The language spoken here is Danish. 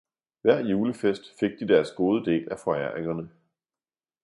Hver julefest fik de deres gode del af foræringerne.